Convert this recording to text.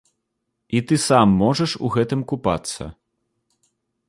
І ты сам можаш у гэтым купацца.